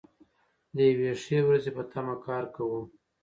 د یوې ښې ورځې په تمه کار کوو.